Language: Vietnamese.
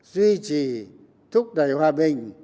duy trì thúc đẩy hòa bình